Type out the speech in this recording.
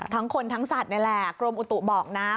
ทั้งคนทั้งสัตว์นี่แหละกรมอุตุบอกนะ